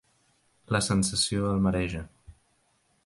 La sensació el mareja.